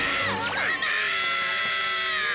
ママ！！